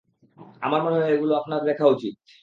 আমার মনে হয় এগুলো আপনার দেখা উচিৎ!